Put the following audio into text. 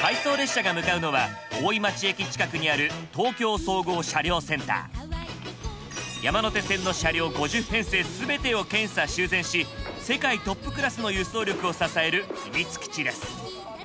回送列車が向かうのは大井町駅近くにある山手線の車両５０編成全てを検査・修繕し世界トップクラスの輸送力を支える秘密基地です。